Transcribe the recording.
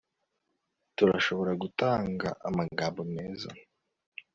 turashobora gutanga amagambo meza